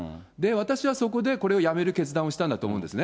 私はそこでこれを辞める決断をしたんだと思うんですね。